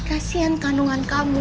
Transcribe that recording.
kasian kandungan kamu